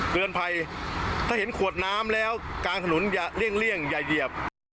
ภัยถ้าเห็นขวดน้ำแล้วกลางถนนอย่าเลี่ยงอย่าเหยียบ